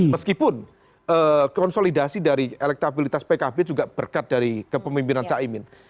meskipun konsolidasi dari elektabilitas pkb juga berkat dari kepemimpinan caimin